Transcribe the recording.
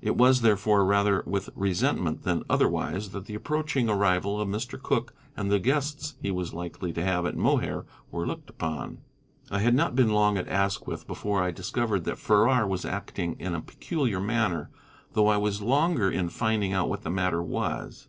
It was, therefore, rather with resentment than otherwise that the approaching arrival of Mr. Cooke and the guests he was likely to have at Mohair were looked upon. I had not been long at Asquith before I discovered that Farrar was acting in a peculiar manner, though I was longer in finding out what the matter was.